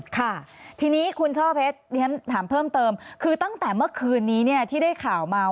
ค่ะทีนี้คุณช่อเพชรถามเพิ่มเติมคือตั้งแต่เมื่อคืนนี้เนี่ยที่ได้ข่าวมา